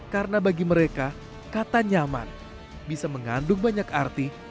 karena bagi mereka kata nyaman bisa mengandung banyak arti